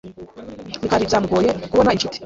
Mikali byamugoye kubona inshuti.